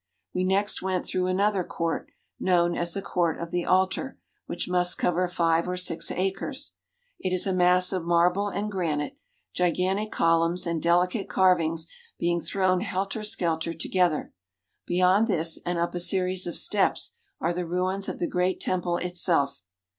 We next went through another court, known as the Court of the Altar, which must cover five or six acres. It is a mass of marble and granite, gigantic columns and delicate carvings being thrown helter skelter together. Beyond this and up a series of steps are the ruins of the Great Temple itself.